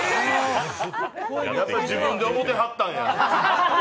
やっぱり自分で思ってはったんや。